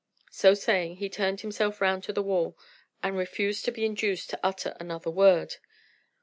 So saying, he turned himself round to the wall, and refused to be induced to utter another word.